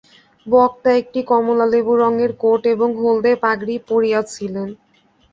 বক্তা একটি কমলালেবু রঙের কোট এবং হলদে-পাগড়ি পরিয়াছিলেন।